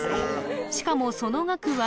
しかもその額は